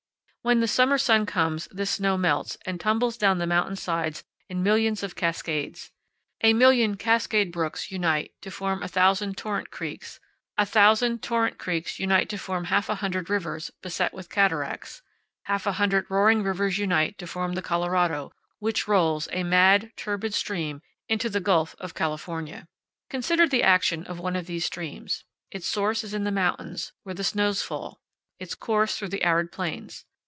When the summer sun comes this snow melts and tumbles down the mountain sides in millions of cascades. A million cascade brooks unite to form a thousand torrent creeks; a thousand torrent creeks unite to form half a hundred rivers beset with cataracts; half a hundred roaring rivers unite to form the Colorado, which rolls, a mad, turbid stream, into the Gulf of California. Consider the action of one of these streams. Its source is in the mountains, where the snows fall; its course, through the arid plains.